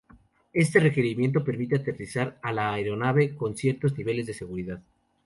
Este requerimiento permite aterrizar a la aeronave con ciertos niveles de seguridad.